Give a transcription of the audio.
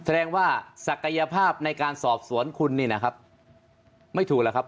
แสดงว่าศักยภาพในการสอบสวนคุณนี่นะครับไม่ถูกแล้วครับ